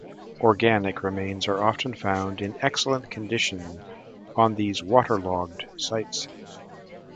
Organic remains are often found in excellent condition on these water-logged sites.